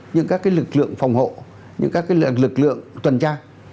những các cái lực lượng phòng hộ những các cái lực lượng tuần tra